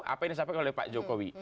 apa yang disampaikan oleh pak jokowi